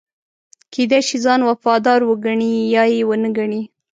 کېدای شي ځان وفادار وګڼي یا یې ونه ګڼي.